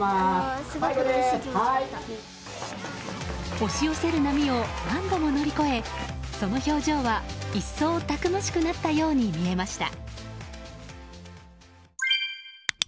押し寄せる波を何度も乗り越えその表情は一層、たくましくなったように見えました。